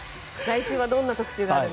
来週はどんな特集ですか？